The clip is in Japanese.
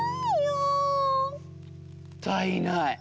もったいない。